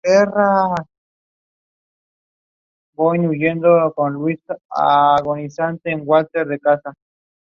Frye became one of the first Seattle businessmen.